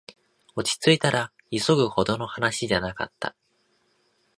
落ちついたら、急ぐほどの話じゃなかった